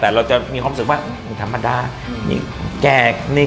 แต่เราจะมีความรู้สึกว่ามันธรรมดา